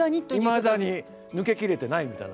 いまだに抜け切れてないみたいな。